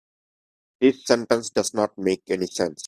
This sentence does not make any sense.